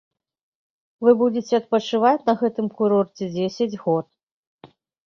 Вы будзеце адпачываць на гэтым курорце дзесяць год.